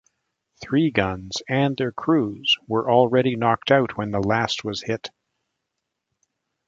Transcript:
Three guns and their crews were already knocked out when the last was hit.